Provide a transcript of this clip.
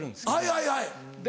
はいはいはい。